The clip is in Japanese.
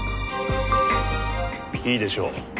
いいでしょう。